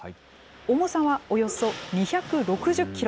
重さはおよそ２６０キロ。